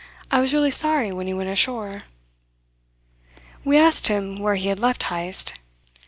"I was really sorry when he went ashore." We asked him where he had left Heyst.